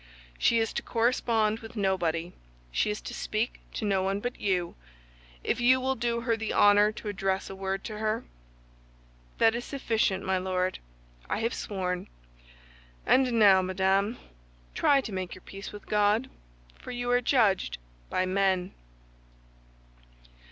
"She is to correspond with nobody; she is to speak to no one but you—if you will do her the honor to address a word to her." "That is sufficient, my Lord! I have sworn." "And now, madame, try to make your peace with God, for you are judged by men!"